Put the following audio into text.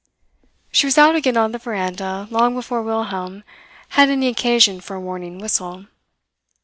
She was out again on the veranda long before Wilhelm had any occasion for a warning whistle.